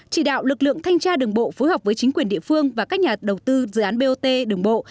chỉ đạo lực lượng thanh tra đường bộ phối hợp với chính quyền địa phương và các nhà đầu tư dự án bot đường bộ